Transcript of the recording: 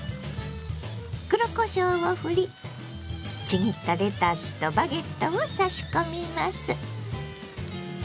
黒こしょうをふりちぎったレタスとバゲットを差し込みます。